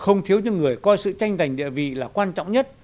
không thiếu những người coi sự tranh giành địa vị là quan trọng nhất